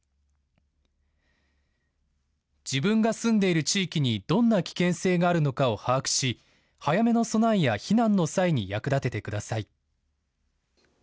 自分が住んでいる地域にどんな危険性があるのかを把握し早めの備えや避難の際に役立ててください。